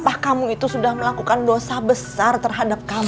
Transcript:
apakah kamu itu sudah melakukan dosa besar terhadap kamu